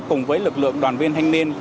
cùng với lực lượng đoàn viên thanh niên